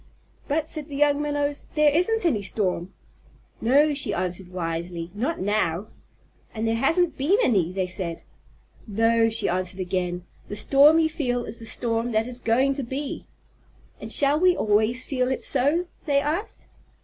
"But," said the young Minnows, "there isn't any storm." "No," she answered wisely. "Not now." "And there hasn't been any," they said. "No," she answered again. "The storm you feel is the storm that is going to be." "And shall we always feel it so?" they asked.